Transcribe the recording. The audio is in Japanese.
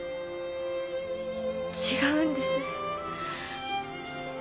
違うんです。